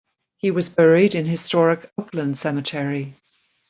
He was buried in historic Oakland Cemetery.